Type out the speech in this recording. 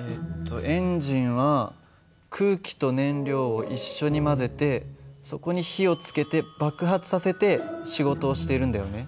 えっとエンジンは空気と燃料を一緒に混ぜてそこに火をつけて爆発させて仕事をしているんだよね。